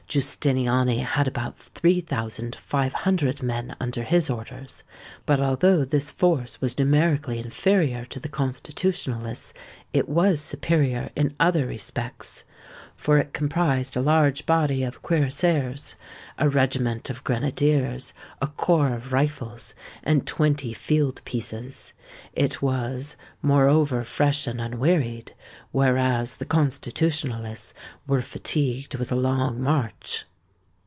Giustiniani had about three thousand five hundred men under his orders; but although this force was numerically inferior to the Constitutionalists, it was superior in other respects—for it comprised a large body of cuirassiers, a regiment of grenadiers, a corps of rifles, and twenty field pieces: it was, moreover fresh and unwearied, whereas the Constitutionalists were fatigued with a long march.